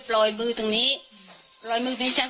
ก็เลยว่าพี่อย่าเพิ่งทำฉันเลย